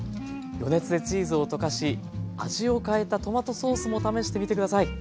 余熱でチーズを溶かし味を変えたトマトソースも試してみて下さい。